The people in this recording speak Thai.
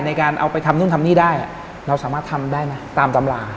ในการเอาไปทำนู่นทำนี่ได้เราสามารถทำได้ไหมตามตำรา